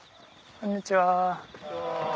こんにちは。